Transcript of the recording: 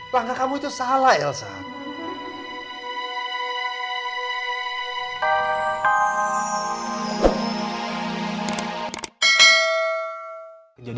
langkah kamu itu salah elsa